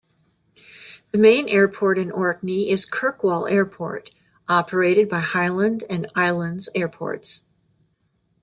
The main airport in Orkney is Kirkwall Airport, operated by Highland and Islands Airports.